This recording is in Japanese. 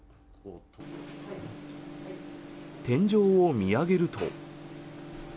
天井を見上げると。